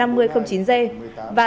và tỉnh lê minh huy